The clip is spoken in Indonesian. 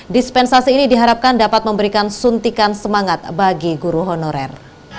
dispensasi ini diharapkan dapat memberikan suntikan semangat bagi guru honorer